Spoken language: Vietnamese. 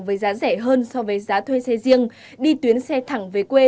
với giá rẻ hơn so với giá thuê xe riêng đi tuyến xe thẳng về quê